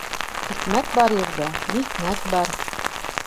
Хикмәт бар ерҙә михнәт бар.